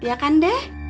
ya kan deh